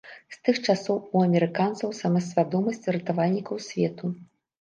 З тых часоў у амерыканцаў самасвядомасць ратавальнікаў свету.